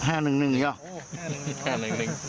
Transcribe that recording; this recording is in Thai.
อันนี้